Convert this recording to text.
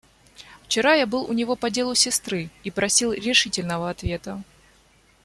Вчера я был у него по делу сестры и просил решительного ответа.